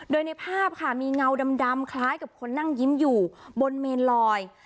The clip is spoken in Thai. โดยในภาพค่ะมีเงาดำคล้ายกับคนนั่งยิ้มอยู่บนเมนลอย